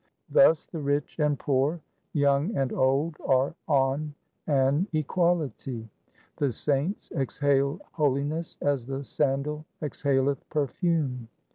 3 Thus the rich and poor, young and old, are on an equality. The saints exhale holiness as the sandal exhaleth perfume.